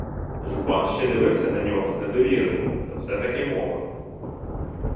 Жупан ще дивився на нього з недовірою, та все-таки мовив: